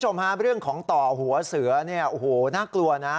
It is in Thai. คุณผู้ชมฮะเรื่องของต่อหัวเสือเนี่ยโอ้โหน่ากลัวนะ